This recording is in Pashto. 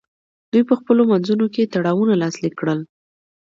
دوی په خپلو منځونو کې تړونونه لاسلیک کړل